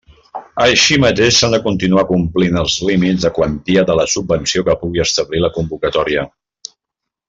Així mateix s'han de continuar complint els límits de quantia de la subvenció que pugui establir la convocatòria.